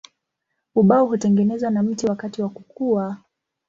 Ubao hutengenezwa na mti wakati wa kukua.